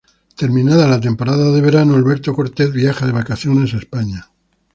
Terminada la temporada de verano, Alberto Cortez viaja de vacaciones a España.